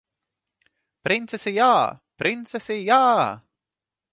Princesi jā! Princesi jā!